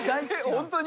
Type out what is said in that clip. ホントに？